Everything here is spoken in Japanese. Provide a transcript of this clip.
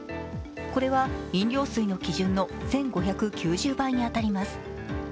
これは飲料水の基準の１５９０倍に当たります。